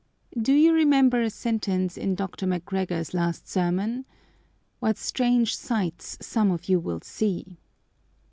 Do you remember a sentence in Dr. Macgregor's last sermon? "What strange sights some of you will see!"